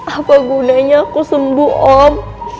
apa gunanya aku sembuh om